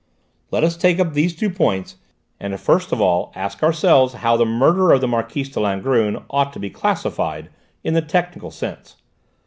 Let us take up these two points, and first of all ask ourselves how the murder of the Marquise de Langrune ought to be 'classified' in the technical sense.